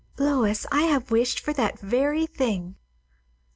"Lois, I have wished for that very thing!"